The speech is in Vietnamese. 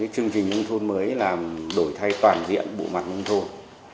chương trình nông thuận mới là đổi thay toàn diện bộ mặt nông thuận